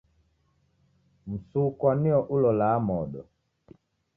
Msukwa nio ulolaa modo.